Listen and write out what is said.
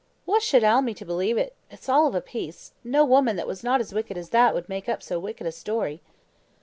"What should ail me to believe it? It's all of a piece; no woman that was not as wicked as that would make up so wicked a story."